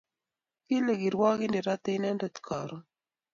Kile kirwakindet rate inendet karun